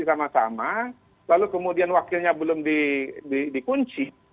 sama sama lalu kemudian wakilnya belum dikunci